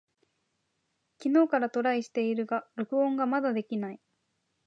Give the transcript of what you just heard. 昨日からトライしているが録音がまだできない。